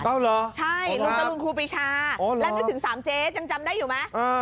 ๙หรอใช่ลุงกรุงครูปิชาแล้วมันถึง๓เจ๊จังจำได้อยู่ไหม